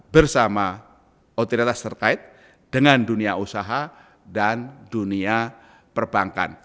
bersama otoritas terkait dengan dunia usaha dan dunia perbankan